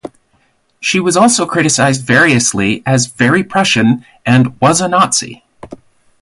She was also criticized variously as "very Prussian" and "was a Nazi".